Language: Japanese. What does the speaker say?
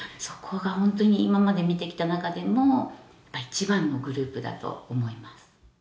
そこがホントに今まで見てきた中でも一番のグループだと思います